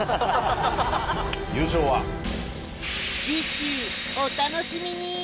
次週お楽しみに！